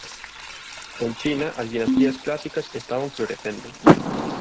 En China as dinastías clásicas estaban florecendo.